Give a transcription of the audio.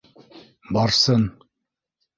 Барсын...